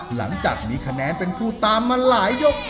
หลังจากมีคะแนนเป็นผู้ตามมาหลายยก